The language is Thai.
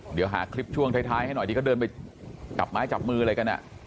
เดี๋ยวหาคลิปช่วงท้ายให้หน่อยที่เขาเดินไปจับไม้จับมืออะไรกัน